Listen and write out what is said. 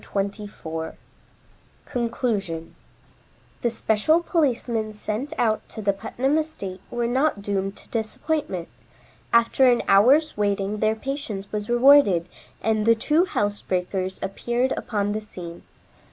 CHAPTER XXIV CONCLUSION The special policemen sent out to the Putnam estate were not doomed to disappointment. After an hour's waiting, their patience was rewarded, and the two housebreakers appeared upon the scene.